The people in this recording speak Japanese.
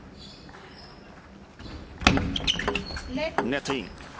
ネットイン。